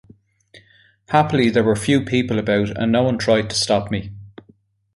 Happily there were few people about and no one tried to stop me.